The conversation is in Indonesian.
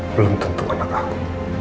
belum tentu anak aku